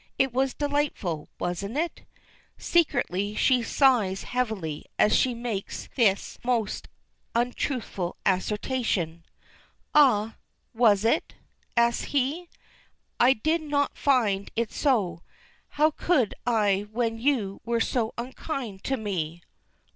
It was delightful, wasn't it?" Secretly she sighs heavily, as she makes this most untruthful assertion. "Ah! Was it?" asks he. "I did not find it so. How could I when you were so unkind to me?"